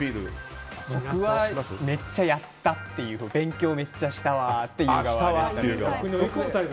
僕はめっちゃやったって勉強をめっちゃしたわって言う側でしたね。